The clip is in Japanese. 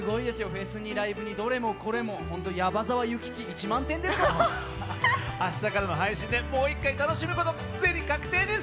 フェスにライブにどれもこれもホントやば澤諭吉１万点ですな明日からの配信でもう一回楽しむことすでに確定です！